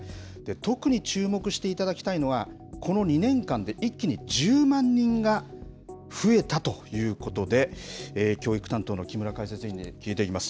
特に注目していただきたいのは、この２年間で一気に１０万人が増えたということで、教育担当の木村解説委員に聞いていきます。